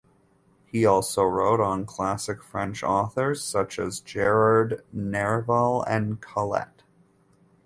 He also wrote on classic French authors such as Gerard Nerval and Colette.